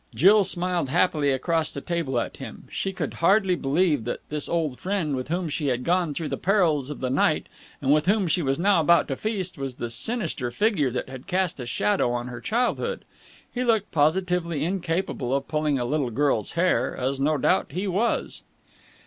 Jill smiled happily across the table at him. She could hardly believe that this old friend with whom she had gone through the perils of the night and with whom she was now about to feast was the sinister figure that had cast a shadow on her childhood. He looked positively incapable of pulling a little girl's hair as no doubt he was.